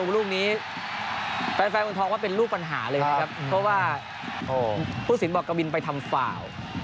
ลุ้งแฟนควรเป็นรูปปัญหาเลยนะครับเพราะว่าผู้สินบอกกับไปทำฝ่า